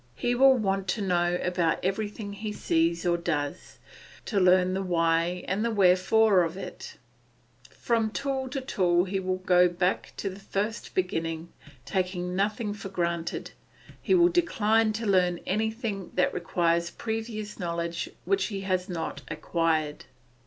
He will want to know all about everything he sees or does, to learn the why and the wherefore of it; from tool to tool he will go back to the first beginning, taking nothing for granted; he will decline to learn anything that requires previous knowledge which he has not acquired.